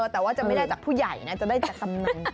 แต่ว่าจะไม่ได้จากผู้ใหญ่นะจะได้จากกำนัน